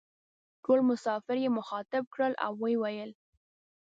ټول مسافر یې مخاطب کړل او وې ویل: